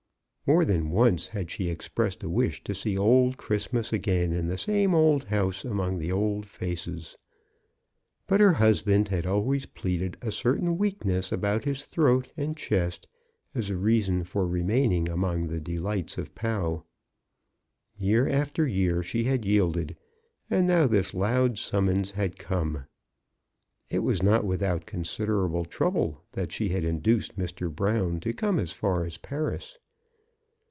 More than once had she expressed a wish to see old Christmas again in the old house among the old faces. But her husband had always pleaded a certain weakness about his throat and chest as a reason for remaining among the delights of Pau. Year MRS. brown's success. 5 after year she had yielded, and now this loud summons had come. It was not without considerable trouble that she had induced Mr. Brown to come as far as Paris.